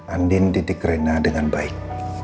andin didik rena dengan baik